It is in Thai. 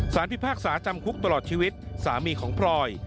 พิพากษาจำคุกตลอดชีวิตสามีของพลอย